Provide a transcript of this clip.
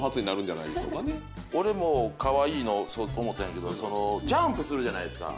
俺も可愛いの思ってんけどジャンプするじゃないですか。